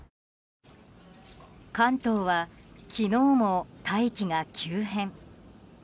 関東は昨日も大気が急変。